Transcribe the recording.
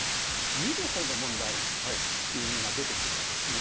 見るほうの問題っていうのが出てくるわけですね。